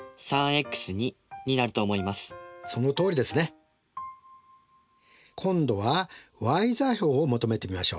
そのとおりですね。今度はｙ座標を求めてみましょう。